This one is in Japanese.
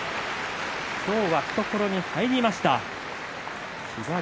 今日は懐に入りました。